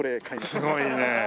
すごいね！